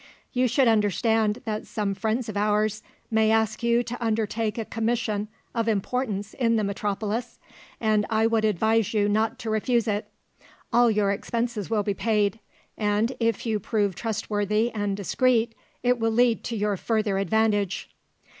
You should understand that some friends of ours may ask you to undertake a commission of importance in the metropolis, and I would advise you not to refuse it. All your expenses will be paid; and if you prove trustworthy and discreet, it will lead to your further advantage."